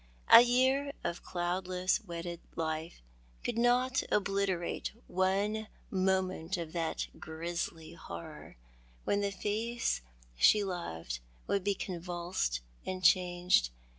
A year of cloudless wedded life could not obliterate one moment of that grisly horror, when the face she loved would be convulsed and changed, In the Pine Wood.